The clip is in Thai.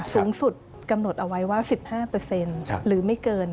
สูงสุดกำหนดเอาไว้ว่า๑๕หรือไม่เกิน